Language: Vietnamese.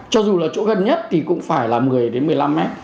cho dù là chỗ gần nhất thì cũng phải là một mươi một mươi năm mét